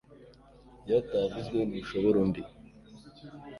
iyo atavuzwe n'ushobora undi